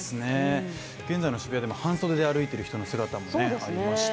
現在の渋谷でも半袖で歩いてる人の姿もありました。